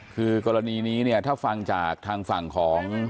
คือกรณีนี้เนี่ยถ้าฟังจากทางฝั่งของ